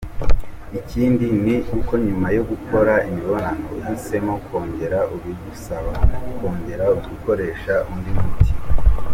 Ikindi ni uko nyuma yo gukora imibonano, uhisemo kongera bigusaba kongera gukoresha undi muti.